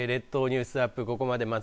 はい、列島ニュースアップ